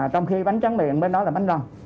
trong khi bánh trắng miệng bên đó là bánh rong